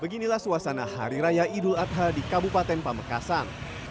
beginilah suasana hari raya idul adha di kabupaten pamekasan